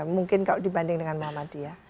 mungkin kalau dibanding dengan muhammadiyah